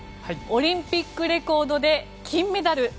オリンピックレコードで金メダル。